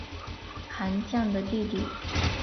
韩绛的弟弟。